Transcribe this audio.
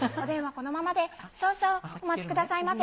このままで少々お待ちくださいませ。